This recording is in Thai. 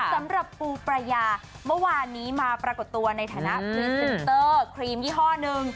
สำหรับปูปรายาเมื่อวานนี้มาปรากฏตัวในฐานะพรีเซนเตอร์ครีมยี่ห้อหนึ่ง